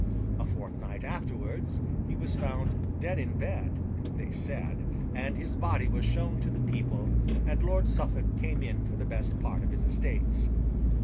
A fortnight afterwards, he was found dead in bed (they said), and his body was shown to the people, and Lord Suffolk came in for the best part of his estates.